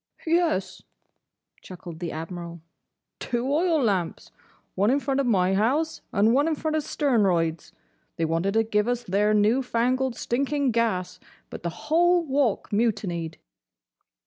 "Yes," chuckled the Admiral, "two oil lamps. One in front of my house, and one in front of Sternroyd's. They wanted to give us their new fangled, stinking gas, but the whole Walk mutinied."